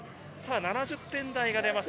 ７０点台が出ました。